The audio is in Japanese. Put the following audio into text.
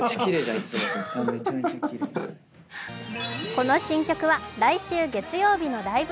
この新曲は来週月曜日の「ライブ！